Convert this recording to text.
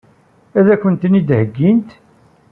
Ad kent-tent-id-heggint?